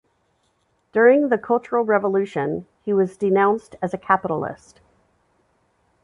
During the Cultural Revolution, he was denounced as a "capitalist".